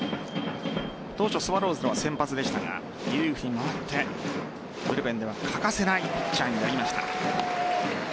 当初、スワローズでは先発でしたがリリーフに回ってブルペンでは欠かせないピッチャーになりました。